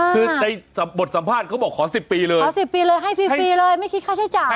คือในบทสัมภาษณ์เขาบอกขอ๑๐ปีเลยขอ๑๐ปีเลยให้ฟรีเลยไม่คิดค่าใช้จ่าย